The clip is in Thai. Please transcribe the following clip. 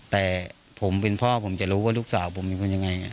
แต่ผมเป็นพ่อผมจะรู้ว่าลูกสาวผมเป็นคนยังไง